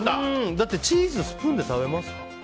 だってチーズ、スプーンで食べますか。